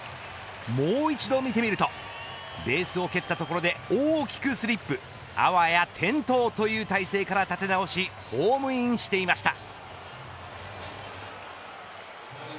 もう一度見てみるとベースを蹴ったところで大きくスリップあわや転倒という態勢から立て直しホームインしていました。